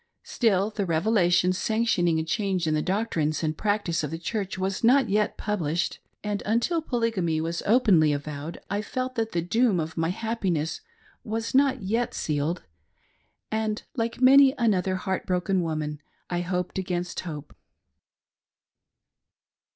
Still, the "Revelation" sanctioning a change in the. doctrines and practice of the Church, was not yet published ; and until Polygamy was openly avowed I felt that the doom of my happiness was not yet sealed, and like many another heart broken woman, I hoped against hope.